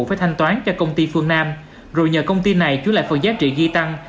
phải thanh toán cho công ty phương nam rồi nhờ công ty này chú lại phần giá trị ghi tăng